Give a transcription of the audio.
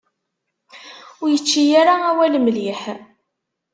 Ur yečči ara awal mliḥ.